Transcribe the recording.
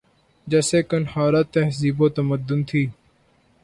جیسے قندھارا تہذیب و تمدن تھی